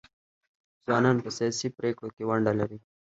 ځوانان په سیاسي پریکړو کې ونډه لري.